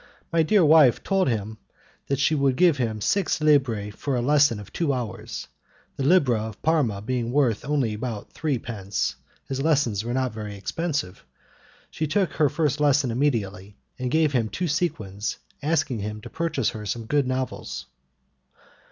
My dear wife told him that she would give him six libbre for a lesson of two hours: the libbra of Parma being worth only about threepence, his lessons were not very expensive. She took her first lesson immediately and gave him two sequins, asking him to purchase her some good novels.